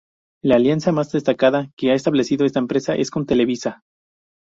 La alianza más destacada que ha establecido esta empresa es con Televisa.